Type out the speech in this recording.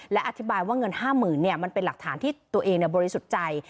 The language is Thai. และอธิบายว่าเงิน๕๐๐๐มันเป็นหลักฐานที่ตัวเองบริสุทธิ์ใจ